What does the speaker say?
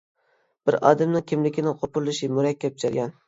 بىر ئادەمنىڭ كىملىكىنىڭ قوپۇرۇلۇشى مۇرەككەپ جەريان.